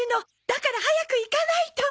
だから早く行かないと。